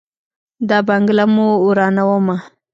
دا بنګله مو ورانومه.